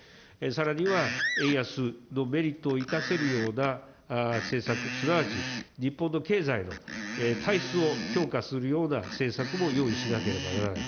さらには円安のメリットを生かせるような政策、すなわち日本の経済の体質を強化するような政策も用意しなければならない。